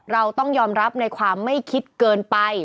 เราต้องยอมรับในความไม่คิดเกินไป